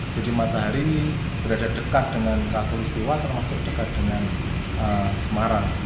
jadi matahari berada dekat dengan katulistiwa termasuk dekat dengan semarang